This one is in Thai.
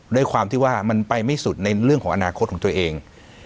ด้วยความที่ว่ามันไปไม่สุดในเรื่องของอนาคตของตัวเอง